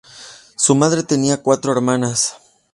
Su madre tenía cuatro hermanas.